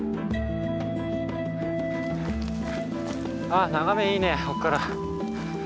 あ眺めいいねここから。